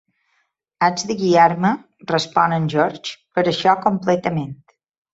"Haig de guiar-me", respon en George, "per això completament".